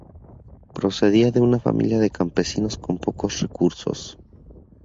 Procedía de una familia de campesinos con pocos recursos.